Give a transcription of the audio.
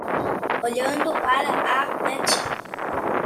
Olhando para a netinha